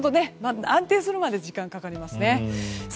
安定するまで時間がかかりますね。